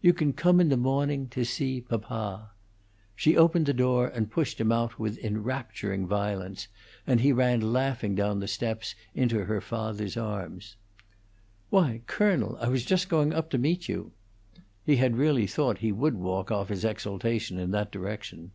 You can come in the mawning to see papa." She opened the door and pushed him out with enrapturing violence, and he ran laughing down the steps into her father's arms. "Why, colonel! I was just going up to meet you." He had really thought he would walk off his exultation in that direction.